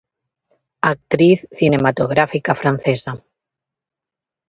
Actriz cinematográfica francesa.